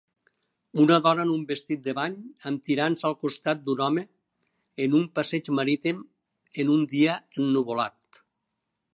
Una dona amb un vestit de bany amb tirants al costat d'un home en un passeig marítim en un dia ennuvolat.